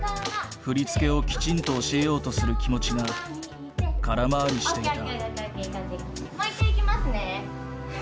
振り付けをきちんと教えようとする気持ちが空回りしていた。